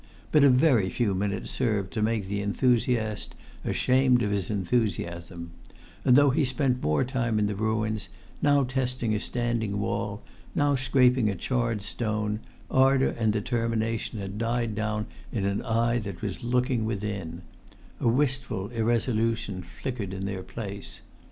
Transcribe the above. But a very few minutes served to make the enthusiast ashamed of his enthusiasm; and though he spent more time in the ruins, now testing a standing wall, now scraping a charred stone, ardour[Pg 108] and determination had died down in an eye that was looking within; a wistful irresolution flickered in their place.